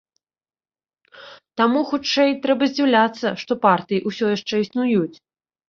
Таму, хутчэй, трэба здзіўляцца, што партыі ўсё яшчэ існуюць.